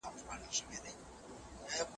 په دنیا کي چي د چا نوم د سلطان دی